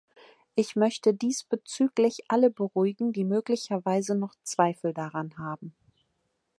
Ich möchte diesbezüglich alle beruhigen, die möglicherweise noch Zweifel daran haben.